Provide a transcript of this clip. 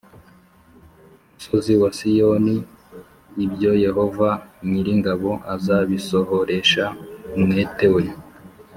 Musozi wa siyoni j ibyo yehova nyir ingabo azabisohoresha umwete we